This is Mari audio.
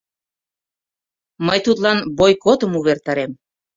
— Мый тудлан бойкотым увертарем!